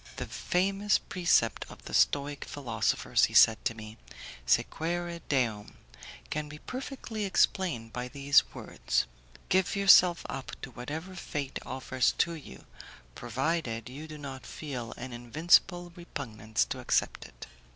"The famous precept of the Stoic philosophers," he said to me, "'Sequere Deum', can be perfectly explained by these words: 'Give yourself up to whatever fate offers to you, provided you do not feel an invincible repugnance to accept it.